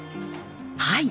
はい。